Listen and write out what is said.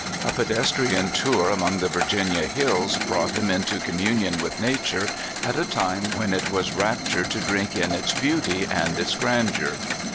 A pedestrian tour among the Virginia hills brought him into communion with Nature at a time when it was rapture to drink in its beauty and its grandeur.